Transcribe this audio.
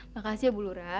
makasih ya bu lurah